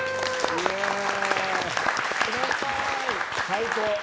最高。